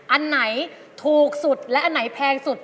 อันไหนถูกสุดและอันไหนแพงสุด